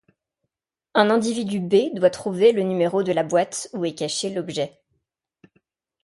Un individu B doit trouver le numéro de la boîte où est caché l'objet.